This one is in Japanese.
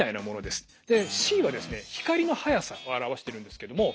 でｃはですね光の速さを表してるんですけども。